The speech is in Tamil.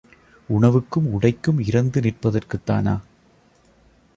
உணவுக்கும் உடைக்கும் இரந்து நிற்பதற்குத்தானா?